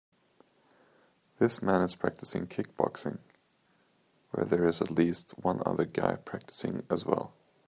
This man is practicing kickboxing, where there is at least one other guy practicing as well.